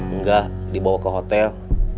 enggak dibawa ke hotel